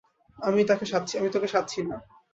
আমি তোকে সাধছি না।